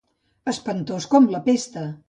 Espantós com la pesta.